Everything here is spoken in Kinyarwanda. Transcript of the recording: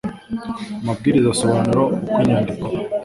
amabwiriza asobanura uko inyandiko